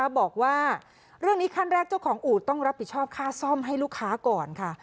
บอกว่าเรื่องนี้ขั้นแรกเจ้าของอู่ต้องรับผิดชอบค่าซ่อมให้ลูกค้าก่อนค่ะ